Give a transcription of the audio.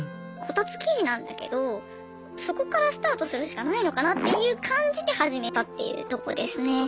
こたつ記事なんだけどそこからスタートするしかないのかなっていう感じで始めたっていうとこですね。